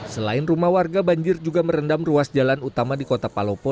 selain rumah warga banjir juga merendam ruas jalan utama di kota palopo